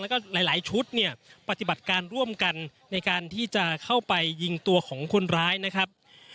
แล้วก็หลายชุดเนี่ยปฏิบัติการร่วมกันในการที่จะเข้าไปยิงตัวของคนร้ายนะครับ